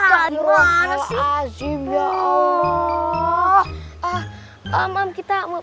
maaf kita mau panggil ya oke thank you